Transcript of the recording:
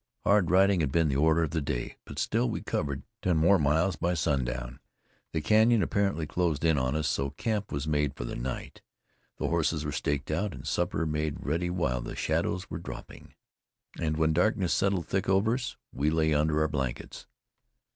Hard riding had been the order of the day, but still we covered ten more miles by sundown. The canyon apparently closed in on us, so camp was made for the night. The horses were staked out, and supper made ready while the shadows were dropping; and when darkness settled thick over us, we lay under our blankets.